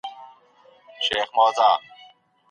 ولي دوی غمجن وو .